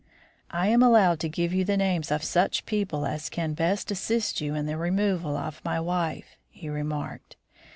"I am allowed to give you the names of such people as can best assist you in the removal of my wife," he remarked.